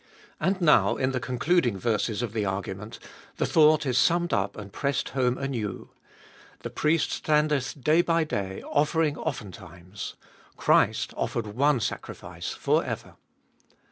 And now, in the concluding verses of the argument, the thought is summed up and pressed home anew. The priest standeth day by day offering often 340 Gbe Dolfest of 2UI times ; Christ offered one sacrifice for ever.